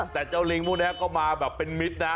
แต่เจ้าลิงพวกนี้ก็มาแบบเป็นมิตรนะ